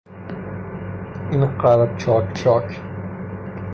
این قلب چاک چاک